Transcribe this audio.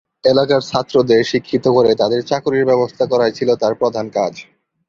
এলাকার ছাত্রদের শিক্ষিত করে তাদের চাকুরীর ব্যবস্থা করাই ছিল তার প্রধান কাজ।